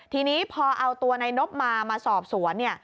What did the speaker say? ทีนี้พอเอาตัวนายนบมามาสอบสวนเนี่ย